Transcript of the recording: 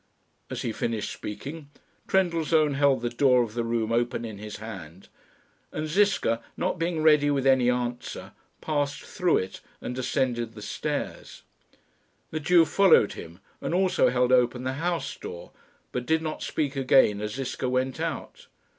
As he finished speaking, Trendellsohn held the door of the room open in his hand, and Ziska, not being ready with any answer, passed through it and descended the stairs. The Jew followed him and also held open the house door, but did not speak again as Ziska went out.